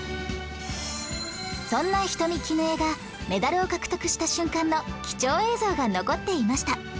そんな人見絹枝がメダルを獲得した瞬間の貴重映像が残っていました